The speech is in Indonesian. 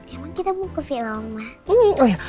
emang kita mau ke villa oma